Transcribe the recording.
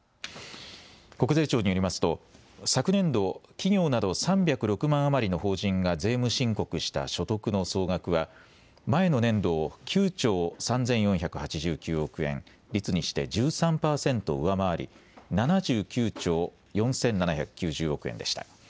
国税庁によりますと昨年度、企業など３０６万余りの法人が税務申告した所得の総額は前の年度を９兆３４８９億円、率にして１３％上回り７９兆４７９０億円でした。